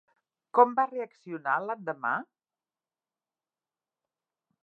Com va reaccionar l'endemà?